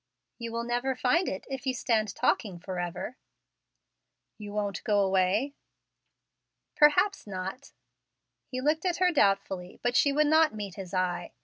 "You will never find it if you stand talking forever." "You won't go away?" "Perhaps not." He looked at her doubtfully, but she would not meet his eye.